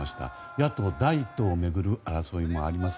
野党第１党を巡る争いもあります。